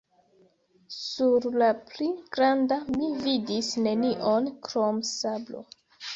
Sur la pli granda mi vidis nenion krom sablo.